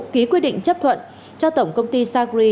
ký quyết định chấp thuận cho tổng công ty sagri